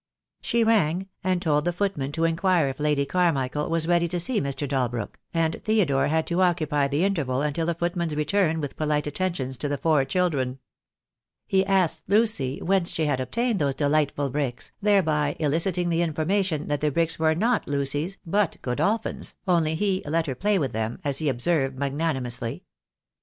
She rang, and told the footman to inquire if Lady Carmichael was ready to see Mr. Dalbrook, and Theodore had to occupy the interval until the footman's return with polite attentions to the four children. He asked Lucy whence she had obtained those delightful bricks, thereby eliciting the information that the bricks were not Lucy's, but Godolphin's, only he "let her play with them," as he observed magnanimously.